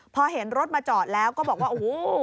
พอเห็นรถมาจอดแล้วก็บอกว่าโอ้โห